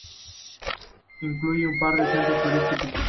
Incluye un par de centros turísticos.